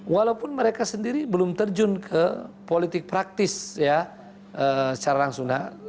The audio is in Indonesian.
walaupun mereka sendiri belum terjun ke politik praktis ya secara langsung